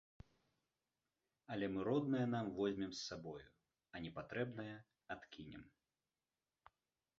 Але мы роднае нам возьмем з сабою, а непатрэбнае адкінем.